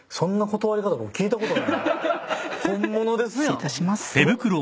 失礼いたします。